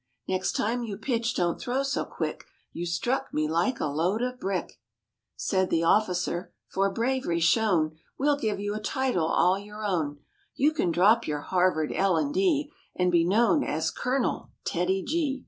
Next time you pitch don't throw so quick; You struck me like a load of brick." Said the officer, "For bravery shown We ll give you a title all your own; You can drop your Harvard L and D And be known as Colonel TEDDY G."